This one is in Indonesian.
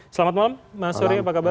selamat malam mas yori apa kabar